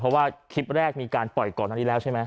เพราะว่าคลิปแรกมีการปล่อยก่อนอันนี้แล้วใช่ไหม